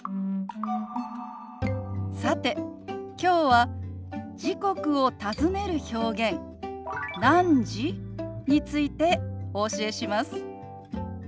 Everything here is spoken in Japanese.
さてきょうは時刻を尋ねる表現「何時？」についてお教えします。